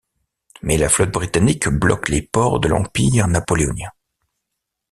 Mais la flotte britannique bloque les ports de l'empire napoléonien.